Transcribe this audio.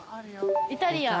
イタリアン。